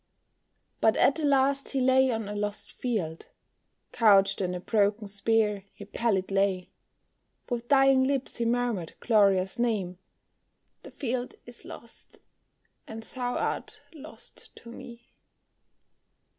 But at the last he lay on a lost field; Couched on a broken spear, he pallid lay; With dying lips he murmured Gloria's name, "The field is lost, and thou art lost to me."